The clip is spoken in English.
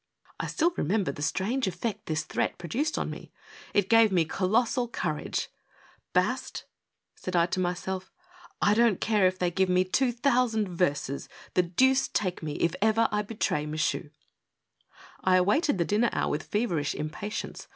I still remember the strange effect this threat pro duced on me. It gave me colossal courage^ " Bast !" said I to myself, " I don't care if they give me two thou sand verses ; the deuce take me if ever I betray Michu!" I awaited the dinner hour with feverish impatience.